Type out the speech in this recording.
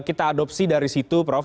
kita adopsi dari situ prof